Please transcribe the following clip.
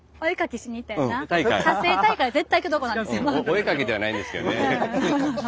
お絵描きではないんですけどね。